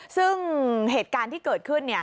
ซึ่งเหตุการณ์ที่เกิดขึ้น